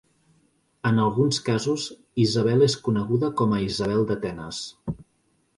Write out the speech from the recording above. En alguns casos, Isabel és coneguda com a Isabel d'Atenes.